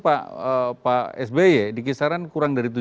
pak sby dikisaran kurang dari